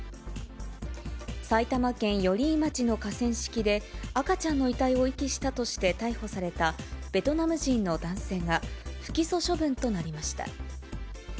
埼玉県寄居町の河川敷で、赤ちゃんの遺体を遺棄したとして逮捕されたベトナム人の男性が不起訴処分となりました。